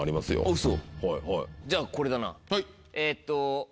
ウソじゃあこれだな。